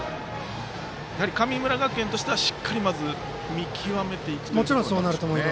神村学園としてはしっかり、見極めていくということでしょうね。